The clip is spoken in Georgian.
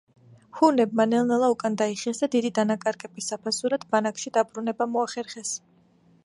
ჰუნებმა ნელ-ნელა უკან დაიხიეს და დიდი დანაკარგების საფასურად ბანაკში დაბრუნება მოახერხეს.